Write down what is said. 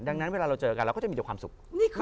ดังนั้นเวลาเราเจอกันเราก็จะมีแต่ความสุข